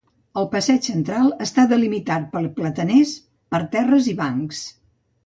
El passeig central està delimitat per plataners, parterres i bancs.